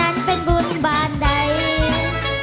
เธอเป็นผู้สาวขาเลียน